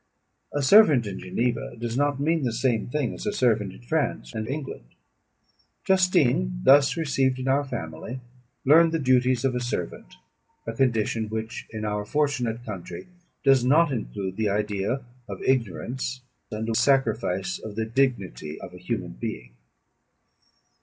A servant in Geneva does not mean the same thing as a servant in France and England. Justine, thus received in our family, learned the duties of a servant; a condition which, in our fortunate country, does not include the idea of ignorance, and a sacrifice of the dignity of a human being.